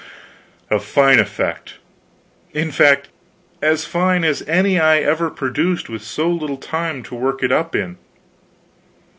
A fine effect. In fact, as fine as any I ever produced, with so little time to work it up in.